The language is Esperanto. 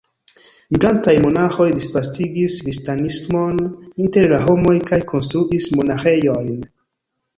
Migrantaj monaĥoj disvastigis kristanismon inter la homoj kaj konstruis monaĥejojn.